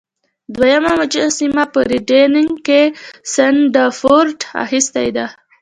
دریمه مجسمه په ریډینګ کې سنډفورډ اخیستې ده.